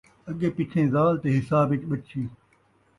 اڳیں پچھیں ذال تے حساب اِچ ٻچی